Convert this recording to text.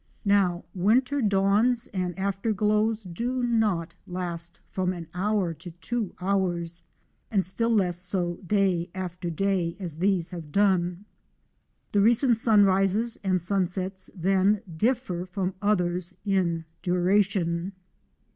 Now winter dawns and after glows do not last from an hour to two hours, and still less so day after day, as these have done. The recent sunrises and sunsets then differ from others in duration.